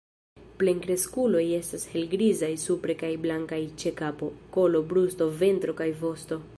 Plenkreskuloj estas helgrizaj supre kaj blankaj ĉe kapo, kolo, brusto, ventro kaj vosto.